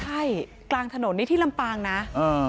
ใช่กลางถนนนี่ที่ลำปางนะ